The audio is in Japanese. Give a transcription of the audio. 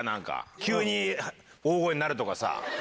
急に大声になるとかさ。